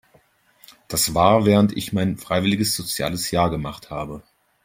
Das war während ich mein freiwilliges soziales Jahr gemacht habe.